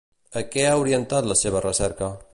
A què ha orientat la seva recerca?